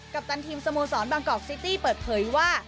ปตันทีมสโมสรบางกอกซิตี้เปิดเผยว่า